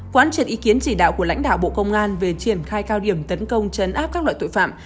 quán triệt ý kiến chỉ đạo của lãnh đạo bộ công an về triển khai cao điểm tấn công chấn áp các loại tội phạm